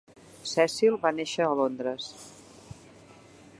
Cecil va néixer a Londres.